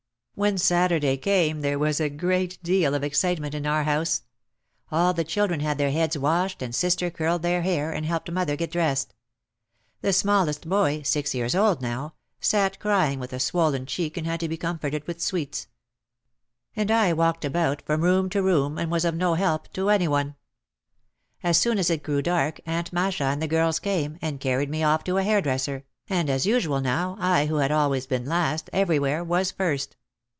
When Saturday came there was a great deal of excite OUT OF THE SHADOW 215 ment in our house. All the children had their heads washed and sister curled their hair and helped mother get dressed. The smallest boy, six years old now, sat crying with a swollen cheek and had to be comforted with sweets. And I walked about from room to room and was of no help to any one. As soon as it grew dark Aunt Masha and the girls came, and carried me off to a hairdresser, and as usual now I who had always been last everywhere was first.